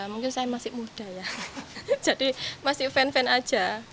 mungkin saya masih muda ya jadi masih fan fan aja